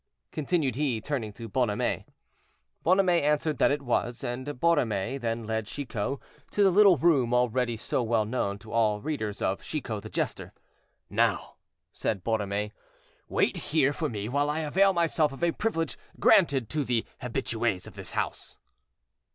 continued he, turning to Bonhomet. Bonhomet answered that it was, and Borromée then led Chicot to the little room already so well known to all readers of "Chicot, the Jester." "Now," said Borromée, "wait here for me while I avail myself of a privilege granted to the habitués of this house."